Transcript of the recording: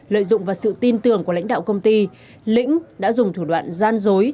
lợi dụng vào sự tin tưởng của lãnh đạo công ty lĩnh đã dùng thủ đoạn gian dối